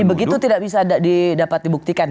jadi begitu tidak bisa didapat dibuktikan